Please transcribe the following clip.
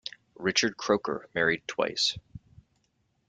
Richard Croker married twice.